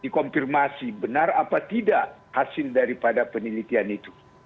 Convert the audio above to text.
dikonfirmasi benar apa tidak hasil daripada penelitian itu